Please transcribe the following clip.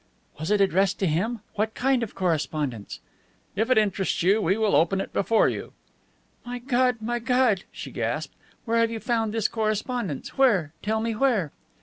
"Was it addressed to him? What kind of correspondence?" "If it interests you, we will open it before you." "My God! My God!" she gasped. "Where have you found this correspondence? Where? Tell me where!"